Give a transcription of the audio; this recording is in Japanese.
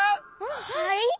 はい？